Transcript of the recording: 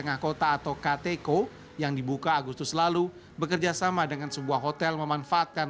nakota atau kateco yang dibuka agustus lalu bekerjasama dengan sebuah hotel memanfaatkan